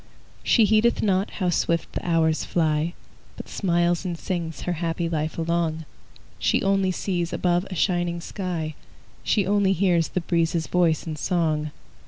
She heedeth not how swift the hours fly, But smiles and sings her happy life along; She only sees above a shining sky; She only hears the breezes' voice in song.